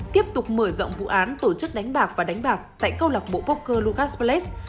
tiếp tục mở rộng vụ án tổ chức đánh bạc và đánh bạc tại cô lọc bộ poker lucas pallet